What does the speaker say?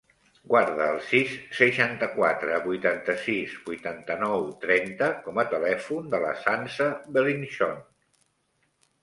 Guarda el sis, seixanta-quatre, vuitanta-sis, vuitanta-nou, trenta com a telèfon de la Sança Belinchon.